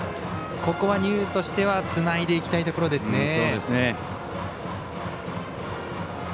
ここは丹生としてはつないでいきたいところですね。